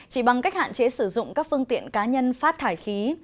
chỉ bằng cách hạn chế sử dụng các phương tiện cá nhân phát thải khí